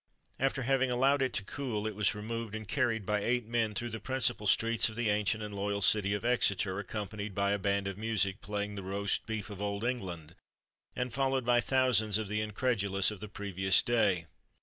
After having allowed it to cool it was removed, and carried by eight men through the principal streets of the ancient and loyal city of Exeter, accompanied by a band of music, playing "The Roast Beef of Old England," and followed by thousands of the incredulous of the previous day.